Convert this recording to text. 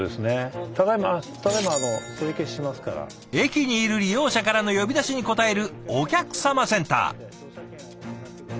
駅にいる利用者からの呼び出しに応えるお客さまセンター。